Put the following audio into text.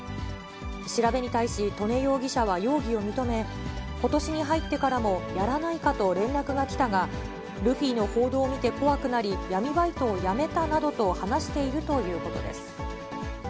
調べに対し刀禰容疑者は容疑を認め、ことしに入ってからもやらないかと連絡が来たが、ルフィの報道を見て怖くなり、闇バイトを辞めたなどと話しているということです。